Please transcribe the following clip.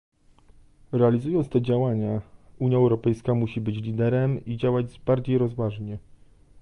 Realizując te działania, Unia Europejska musi być liderem i działać bardziej rozważnie